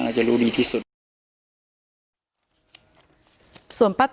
ถ้าใครอยากรู้ว่าลุงพลมีโปรแกรมทำอะไรที่ไหนยังไง